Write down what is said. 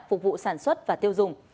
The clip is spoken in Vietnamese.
phục vụ sản xuất và tiêu dùng